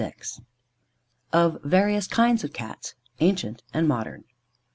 ] _Of various kinds of Cats, Ancient and Modern.